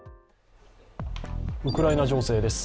ウクライナ情勢です。